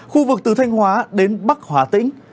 khu vực từ thanh hóa đến bắc hóa tĩnh